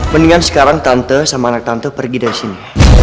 mendingan sekarang tante sama anak tante pergi dari sini